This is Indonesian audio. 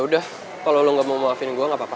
udah kalau lo gak mau maafin gue gak apa apa